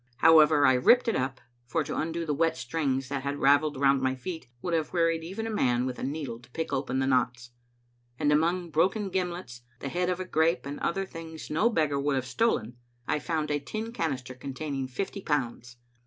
However, I ripped it np, for to undo the wet strings that had ravelled round my feet would have wearied even a man with a needle to pick open the knots; and among broken gimlets, the head of a grape, and other things no beggar would have stolen, I found a tin canister containing fifty pounds.